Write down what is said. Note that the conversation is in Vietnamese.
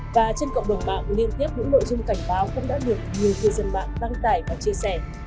và trên cộng đồng mạng liên tiếp những nội dung cảnh báo cũng đã được nhiều cư dân mạng đăng tải và chia sẻ